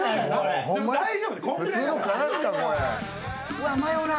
うわっ迷うな。